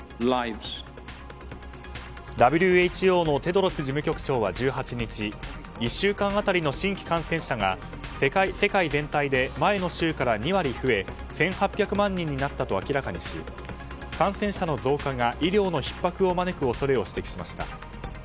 ＷＨＯのテドロス事務局長は１８日１週間当たりの新規感染者が世界全体で前の週から２割増え１８００万人になったと明らかにし感染者の増加が医療のひっ迫を招く恐れを指摘しました。